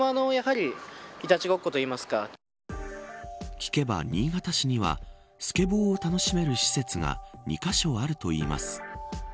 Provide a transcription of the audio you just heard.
聞けば、新潟市にはスケボーを楽しめる施設が２カ所あるといいます。